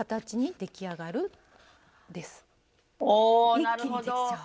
一気にできちゃう。